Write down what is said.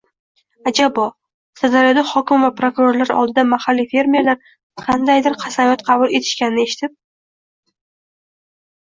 «Ajabo!» – Sirdaryoda hokim va prokurorlar oldida mahalliy fermerlar qandaydir qasamyod qabul qilishganini eshitib